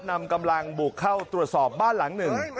นำกำลังบุกเข้าตรวจสอบบ้านหลังหนึ่ง